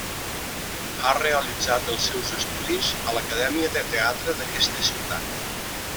Ha realitzat els seus estudis a l'Acadèmia de Teatre d'aquesta ciutat.